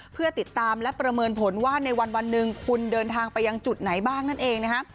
เพื่อติดตามและประเมินผลว่าในวันหนึ่งคุณเดินทางไปยังจุดไหนบ้างนั่นเองนะฮะ